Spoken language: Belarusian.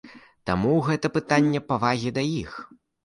Таму гэта пытанне павагі да іх.